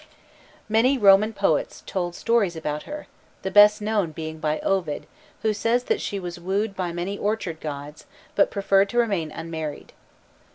_ Many Roman poets told stories about her, the best known being by Ovid, who says that she was wooed by many orchard gods, but preferred to remain unmarried.